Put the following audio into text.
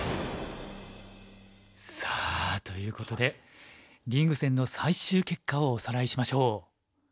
さあということでリーグ戦の最終結果をおさらいしましょう。